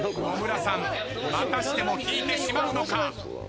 野村さんまたしても引いてしまうのか？